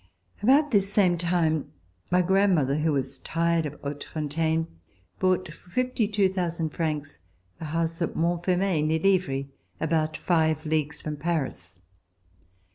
About this same time my grandmother, who was tired of Hautefontaine, bought, for 52,000 francs, a house at Montfermeil, near Livry, about five leagues from Paris.